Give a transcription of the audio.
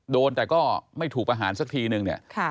โดนแต่ก็ไม่ถูกประหารสักทีนึงเนี่ย